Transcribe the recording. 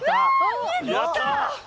やった。